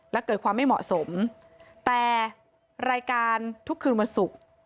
และเกิดความไม่เหมาะสมแต่รายการทุกคืนวันศุกร์